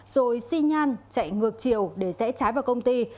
rồi xi nhan chạy ngược chiều để rẽ trái vào công ty